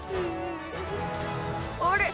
あれ？